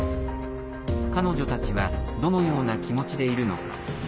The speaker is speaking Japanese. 彼女たちはどのような気持ちでいるのか。